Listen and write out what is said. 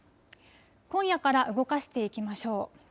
今夜から動かしていきましょう。